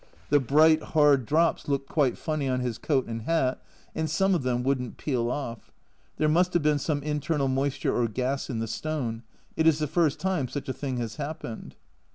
The bright 154 A Journal from Japan hard drops looked quite funny on his coat and hat, and some of them wouldn't peel off. There must have been some internal moisture or gas in the stone ; it is the first time such a thing has happened.